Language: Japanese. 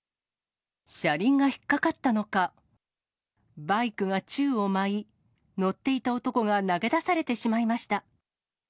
車輪が引っ掛かったのか、バイクが宙を舞い、乗っていた男が投げ出されてしまいました。